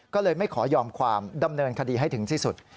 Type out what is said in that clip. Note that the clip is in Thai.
ก็เลยไม่ขอยอมความดำเนินคดีให้ถึงที่สุด